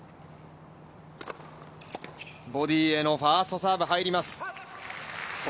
ボディーへのファーストサーブが入ります。